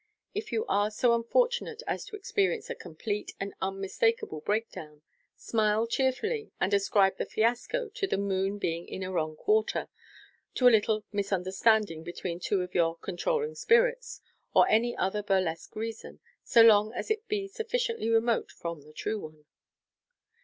If you are so unfortunate as to experience a complete and unmistakeable break down, smile cheerfully, and ascribe the fasco to the moon being in a wrong quarter, to a little misunderstanding between two of your "controlling spirits," or any other bmlesque reason, so long as it be sufficiently remote from the true one.